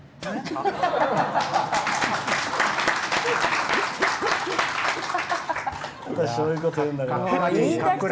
また、そういうこと言うんだから。